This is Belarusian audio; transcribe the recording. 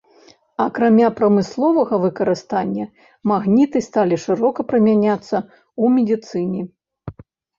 Акрамя прамысловага выкарыстання, магніты сталі шырока прымяняцца ў медыцыне.